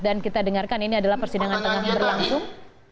dan kita dengarkan ini adalah persindangan tangan berlangsung